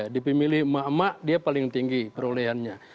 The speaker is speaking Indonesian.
di pemilih emak emak dia paling tinggi perolehannya